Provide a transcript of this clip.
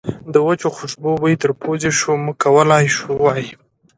د وچو خوشبو بوی تر پوزې شو، موږ کولای شوای.